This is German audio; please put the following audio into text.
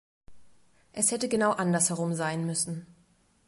Es hätte genau andersherum sein müssen.